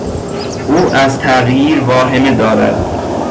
او از تغییر واهمه دارد.